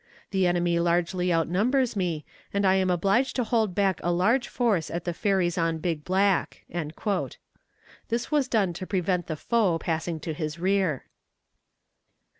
The enemy largely outnumbers me, and I am obliged to hold back a large force at the ferries on Big Black." This was done to prevent the foe passing to his rear.